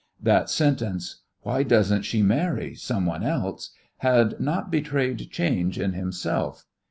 That sentence: "Why doesn't she marry some one else?" had not betrayed change in himself.